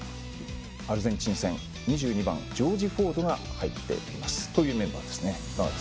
アルゼンチン戦２２番、ジョージ・フォードが入っているメンバーです。